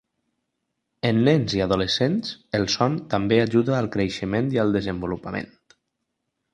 En nens i adolescents, el son també ajuda al creixement i al desenvolupament.